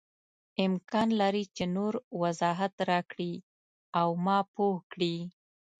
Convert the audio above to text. امکان لري چې نور وضاحت راکړې او ما پوه کړې.